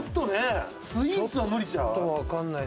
スイーツは無理ちゃう？